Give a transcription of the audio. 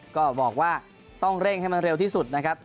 ก็บอกว่าต้องเร่งให้มันเร็วที่สุดนะครับ